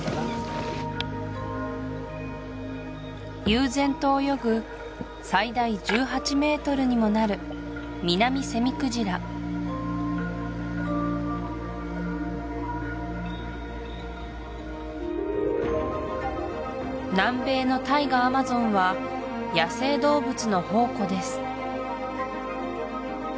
悠然と泳ぐ最大１８ｍにもなるミナミセミクジラ南米の大河アマゾンは野生動物の宝庫です